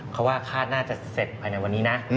เพราะว่าคาตน่าจะเสร็จไปในวันนี้นะ